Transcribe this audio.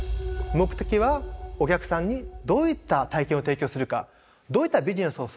目的はお客さんにどういった体験を提供するかどういったビジネスをするか。